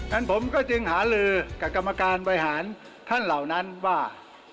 ฉะผมก็จึงหาลือกับกรรมการบริหารท่านเหล่านั้นว่า